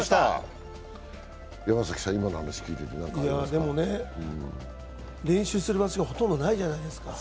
でもね、練習する場所がほとんどないじゃないですか。